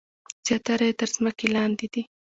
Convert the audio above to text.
زیاتره یې تر ځمکې لاندې دي.